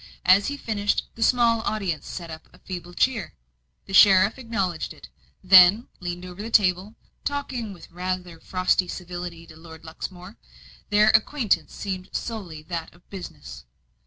As he finished, the small audience set up a feeble cheer. The sheriff acknowledged it, then leaned over the table talking with rather frosty civility to Lord Luxmore. Their acquaintance seemed solely that of business.